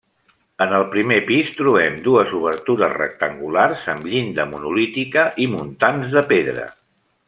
En el primer pis trobem dues obertures rectangulars amb llinda monolítica i muntants de pedra.